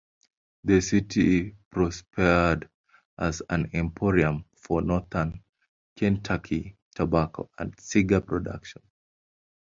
The city prospered as an emporium for northern Kentucky's tobacco and cigar production.